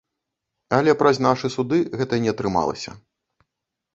Але праз нашы суды гэта не атрымалася.